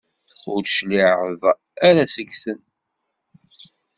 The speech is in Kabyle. Ur d-tecliɛeḍ ara seg-sen.